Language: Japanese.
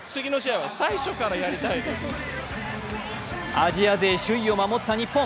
アジア勢首位を守った日本。